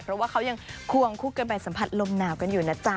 เพราะว่าเขายังควงคู่กันไปสัมผัสลมหนาวกันอยู่นะจ๊ะ